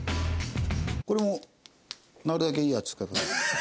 これもなるだけいいやつ使ったらね。